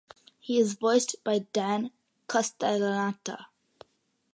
He is voiced by Dan Castellaneta.